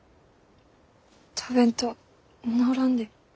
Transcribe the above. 食べんと治らんで。